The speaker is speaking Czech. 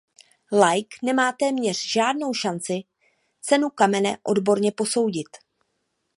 Laik nemá téměř žádnou šanci cenu kamene odborně posoudit.